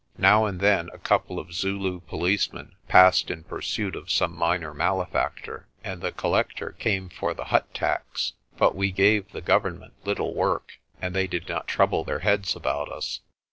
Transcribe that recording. Now and then a couple of Zulu policemen passed in pursuit of some minor malefactor, and the collector came for the hut tax; but we gave the Government little work, and they did not trouble their heads about us.